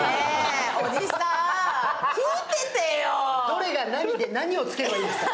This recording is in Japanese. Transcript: どれが何で何をつければいいか。